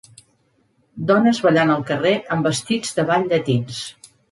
Dones ballant al carrer amb vestits de ball llatins.